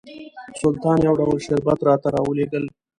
سلطان یو ډول شربت راته راولېږل.